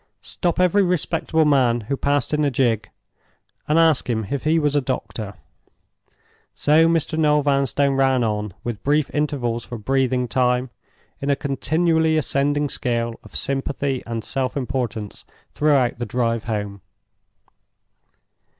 Stop every respectable man who passed in a gig, and ask him if he was a doctor! So Mr. Noel Vanstone ran on, with brief intervals for breathing time, in a continually ascending scale of sympathy and self importance, throughout the drive home.